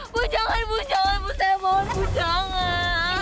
bu jangan bu saya mohon bu jangan